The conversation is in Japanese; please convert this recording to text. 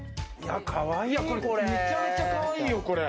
めちゃめちゃかわいいよ、これ。